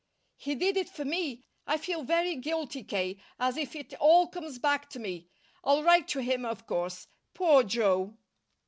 "He did it for me. I feel very guilty, K., as if it all comes back to me. I'll write to him, of course. Poor Joe!"